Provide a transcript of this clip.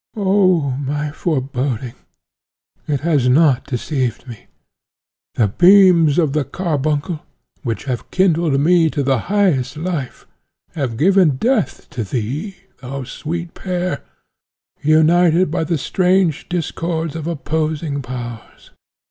"Oh, my foreboding! it has not deceived me. The beams of the carbuncle, which have kindled me to the highest life, have given death to thee, thou sweet pair, united by the strange discords of opposing powers.